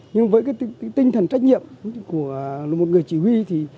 nhưng với cái tinh thần trách nhiệm của một người chỉ huy thì